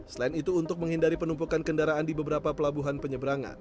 selain itu untuk menghindari penumpukan kendaraan di beberapa pelabuhan penyeberangan